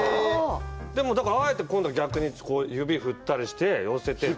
でもだからあえて今度は逆にこう指振ったりして寄せってって。